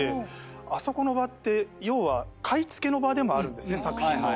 あそこの場って要は買い付けの場でもあるんですね作品の。